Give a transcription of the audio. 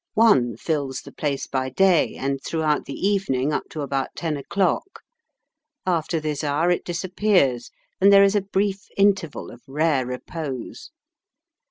One fills the place by day and throughout the evening up to about ten o'clock; after this hour it disappears, and there is a brief interval of rare repose.